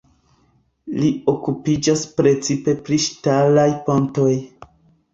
Li okupiĝas precipe pri ŝtalaj pontoj.